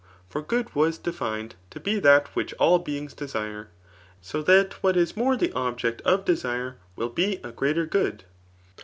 For good was defined to be that wbieh all brings desire ; so that what is more the object of de sire will be a greater good.